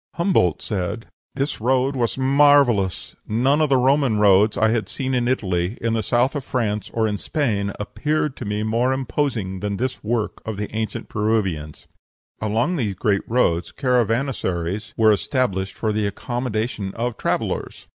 Humboldt said, "This road was marvellous; none of the Roman roads I had seen in Italy, in the south of France, or in Spain, appeared to me more imposing than this work of the ancient Peruvians." Along these great roads caravansaries were established for the accommodation of travellers.